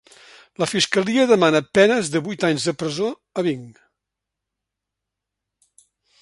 La fiscalia demana penes de vuit anys de presó a vint.